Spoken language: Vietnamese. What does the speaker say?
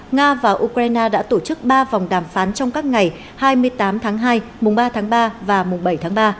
nga và ukraine đã tổ chức ba vòng đàm phán trong các ngày hai mươi tám tháng hai mùng ba tháng ba và mùng bảy tháng ba